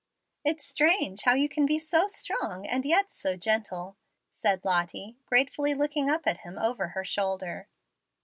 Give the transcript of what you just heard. "It's strange how you can be so strong, and yet so gentle," said Lottie, gratefully looking up at him over her shoulder.